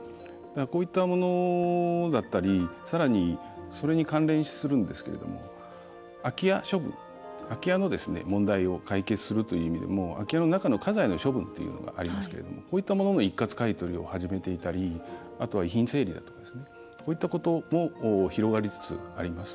こういったものだったりさらに、それに関連するんですけれども空き家処分、空き家の問題を解決するという意味でも空き家の中の家財の処分というのがありますけれどもこういったものの一括買い取りを始めていたりあとは遺品整理だとかですねこういったことも広がりつつあります。